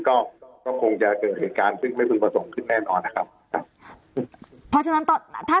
ก็คงจะเกิดเหตุการณ์ซึ่งไม่คุ้มผสมขึ้นแน่นอนนะครับ